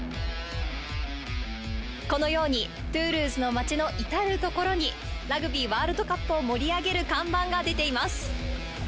このように、トゥールーズの町の至る所に、ラグビーワールドカップを盛り上げる看板が出ています。